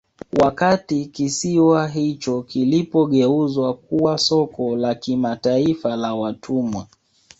Wakati kisiwa hicho kilipogeuzwa kuwa soko la kimataifa la watumwa